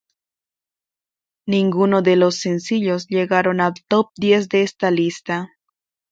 Ninguno de los sencillos llegaron al Top Diez de esta lista.